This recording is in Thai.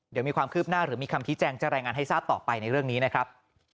เดี๋ยวมีความคืบหน้าหรือมีคำชี้แจงจะรายงานให้ทราบต่อไปในเรื่องนี้นะครับ